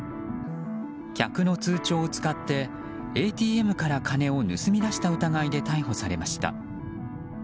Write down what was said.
客の通帳を使ってＡＴＭから金を盗み出した疑いで逮捕されました。